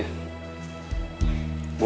udah lo tenang aja